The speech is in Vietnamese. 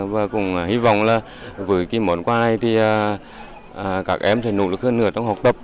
và cũng hy vọng là với cái món quà này thì các em sẽ nỗ lực hơn nữa trong học tập